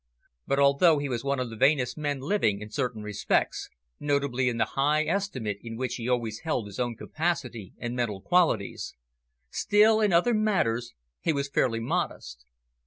But although he was one of the vainest men living in certain respects, notably in the high estimate in which he always held his own capacity and mental qualities, still in other matters he was fairly modest.